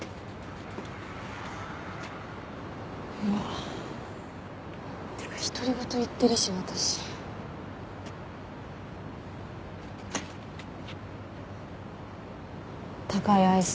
うわってか独り言言ってるし私高いアイス